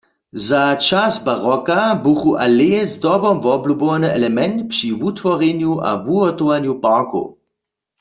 Za čas baroka buchu aleje zdobom woblubowany element při wutworjenju a wuhotowanju parkow.